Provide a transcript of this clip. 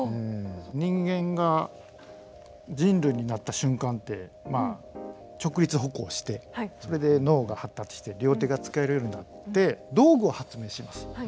人間が人類になった瞬間ってまあ直立歩行してそれで脳が発達して両手が使えるようになって道具を発明します。